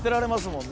もん